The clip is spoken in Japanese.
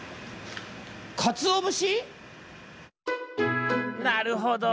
かつおぶし⁉なるほど。